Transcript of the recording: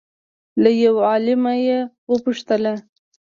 له یو عالمه یې وپوښتل